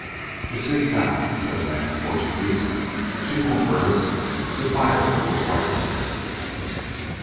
"A sea cow," said a man in Portuguese. "She won't hurt us. The fire will frighten her."